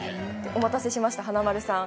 お待たせしました、華丸さん。